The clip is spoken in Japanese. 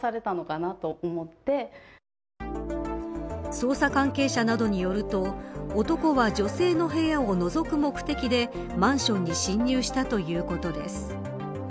捜査関係者などによると男は、女性の部屋をのぞく目的でマンションに侵入したということです。